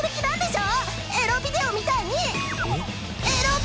違うエロビデオみたいにー！